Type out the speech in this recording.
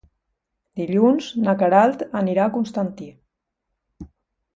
Dilluns na Queralt anirà a Constantí.